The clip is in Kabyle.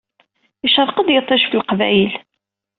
Yecreq-d yiṭij ɣef leqbayel.